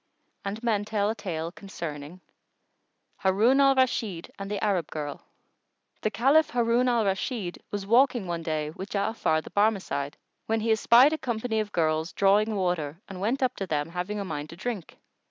And men tell a tale concerning HARUN AL RASHID AND THE ARAB GIRL. The Caliph Harun al Rashid was walking one day with Ja'afar the Barmecide, when he espied a company of girls drawing water and went up to them, having a mind to drink.